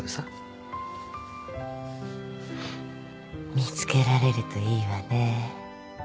見つけられるといいわね。